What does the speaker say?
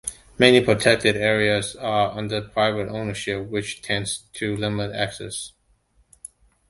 Many protected areas are under private ownership, which tends to limit access.